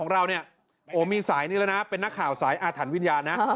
เราเนี่ยโอ้มีสายนี้แล้วนะเป็นนักข่าวสายอาถรรพวิญญาณนะ